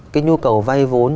cái nhu cầu vai vốn